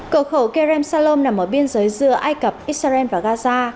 cửa khẩu kerem salom nằm ở biên giới giữa ai cập israel và gaza